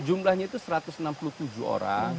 jumlahnya itu satu ratus enam puluh tujuh orang